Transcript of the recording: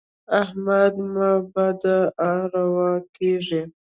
احمده مه بد اروا کېږه.